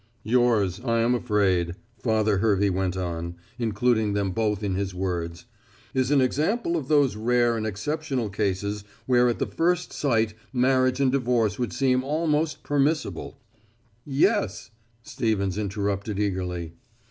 "Yours, I am afraid," Father Hervey went on, including them both in his words, "is an example of those rare and exceptional cases where at the first sight marriage and divorce would seem almost permissible " "Yes," Stevens interrupted eagerly.